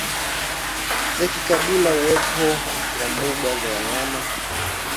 za kikabila Uwepo wa mbuga za wanyama